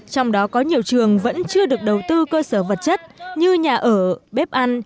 trong đó có nhiều trường vẫn chưa được đầu tư cơ sở vật chất như nhà ở bếp ăn